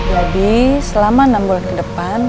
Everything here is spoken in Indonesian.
jadi selama enam bulan kedepan